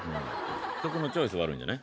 曲のチョイス悪いんじゃない？